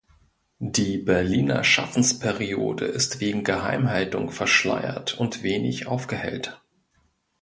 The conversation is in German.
Die Berliner Schaffensperiode ist wegen Geheimhaltung verschleiert und wenig aufgehellt.